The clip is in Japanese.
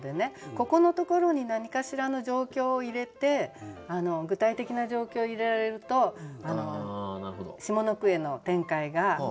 ここのところに何かしらの状況を入れて具体的な状況を入れられると下の句への展開がうまくいったというふうに思います。